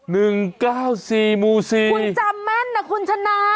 ๑๙๔มูซีคุณจำแม่นนะคุณชนะ